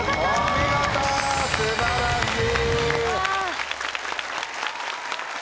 お見事素晴らしい。